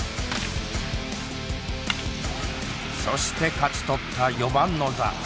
そして勝ち取った４番の座。